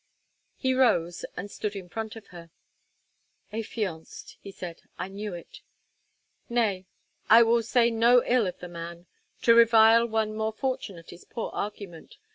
He rose and stood in front of her. "Affianced," he said, "I knew it. Nay, I will say no ill of the man; to revile one more fortunate is poor argument.